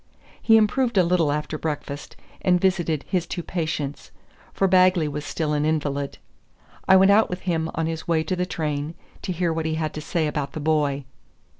He improved a little after breakfast, and visited his two patients, for Bagley was still an invalid. I went out with him on his way to the train, to hear what he had to say about the boy.